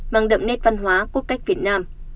mang đậm nét văn hóa cốt cách việt nam